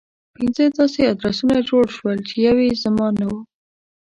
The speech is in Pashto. پنځه داسې ادرسونه جوړ شول چې يو يې زما نه و.